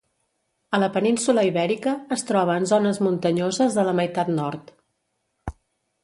A la península Ibèrica es troba en zones muntanyoses de la meitat nord.